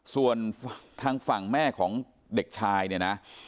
ส่วนทางฝั่งแม่ของเด็กชายเนี่ยนะ